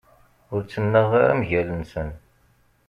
Ur ttnaɣeɣ mgal-nsen.